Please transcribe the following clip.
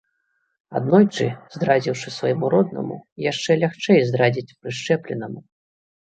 Аднойчы здрадзіўшы свайму роднаму, яшчэ лягчэй здрадзіць прышчэпленаму.